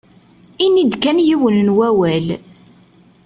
Ini-d kan yiwen n wawal.